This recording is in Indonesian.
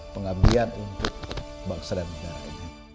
pengabdian untuk bangsa dan negara ini